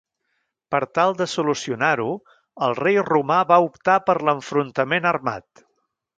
Per tal de solucionar-ho, el rei romà va optar per l'enfrontament armat.